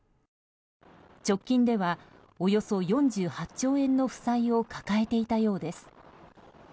直近では、およそ４８兆円の負債を抱えていたようです。